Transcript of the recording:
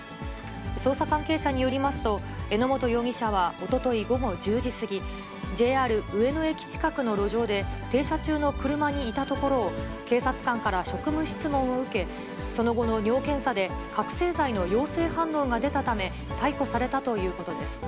捜査関係者によりますと、榎本容疑者はおととい午後１０時過ぎ、ＪＲ上野駅近くの路上で、停車中の車にいたところを、警察官から職務質問を受け、その後の尿検査で覚醒剤の陽性反応が出たため、逮捕されたということです。